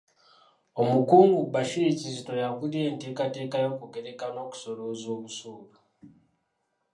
Omukungu Bashir Kizito y'akulira enteekateeka y'okugereka n'okusolooza busuulu.